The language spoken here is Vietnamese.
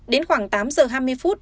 đến khoảng tám giờ hai mươi phút